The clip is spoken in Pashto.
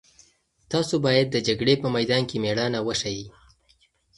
تاسو باید د جګړې په میدان کې مېړانه وښيئ.